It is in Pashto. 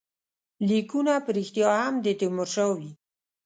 لیکونه په ریشتیا هم د تیمورشاه وي.